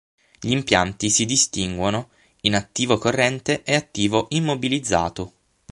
Gli impieghi si distinguono in attivo corrente e attivo immobilizzato.